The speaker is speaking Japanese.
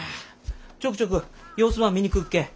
ちょくちょく様子ば見に来っけん。